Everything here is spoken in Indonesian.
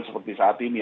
seperti saat ini